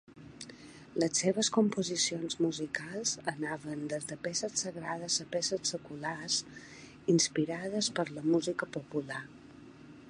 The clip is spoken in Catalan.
Les seves composicions musicals anaven des de peces sagrades a peces seculars inspirades per la música popular.